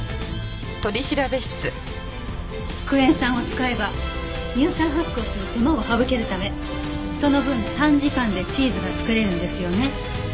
クエン酸を使えば乳酸発酵する手間を省けるためその分短時間でチーズが作れるんですよね？